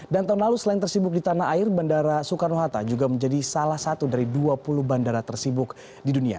dan tahun lalu selain tersibuk di tanah air bandara soekarno hatta juga menjadi salah satu dari dua puluh bandara tersibuk di dunia